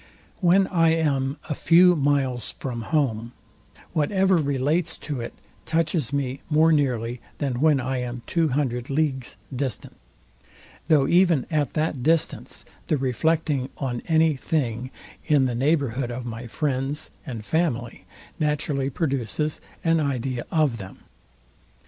When I am a few miles from home, whatever relates to it touches me more nearly than when I am two hundred leagues distant; though even at that distance the reflecting on any thing in the neighbourhood of my friends and family naturally produces an idea of them.